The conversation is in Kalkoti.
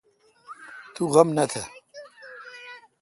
تو غم نہ تھ۔